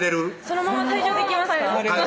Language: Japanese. そのまま退場できますか？